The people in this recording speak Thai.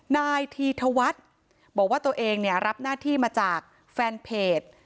นายธีธวัฒน์บอกว่าตัวเองเนี่ยรับหน้าที่มาจากแฟนเพจ